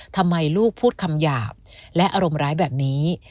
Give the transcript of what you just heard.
ทำไมลูกพูดคำหยาบและอารมณ์ร้ายแบบนี้